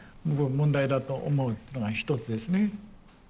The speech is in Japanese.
問題だと思うというのが一つですね。